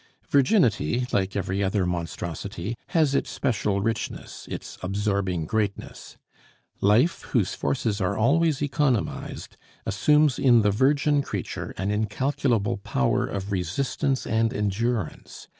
Virginity, like every other monstrosity, has its special richness, its absorbing greatness. Life, whose forces are always economized, assumes in the virgin creature an incalculable power of resistance and endurance.